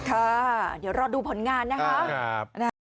ค่ะเดี๋ยวรอดูผลงานนะคะ